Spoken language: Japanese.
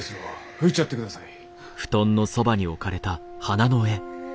拭いちゃってください。